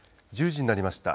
１０時になりました。